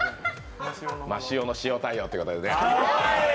真塩の塩対応ということでね。